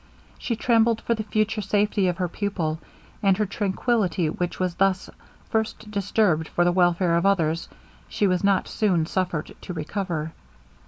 She trembled for the future safety of her pupil; and her tranquillity, which was thus first disturbed for the welfare of others, she was not soon suffered to recover.